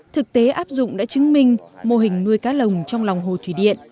thực tế áp dụng đã chứng minh mô hình nuôi cá lồng trong lòng hồ thủy điện